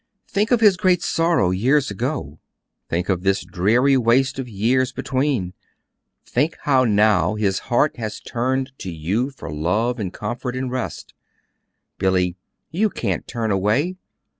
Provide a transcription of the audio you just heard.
Think of his great sorrow years ago. Think of this dreary waste of years between. Think how now his heart has turned to you for love and comfort and rest. Billy, you can't turn away!